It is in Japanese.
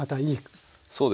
そうですね。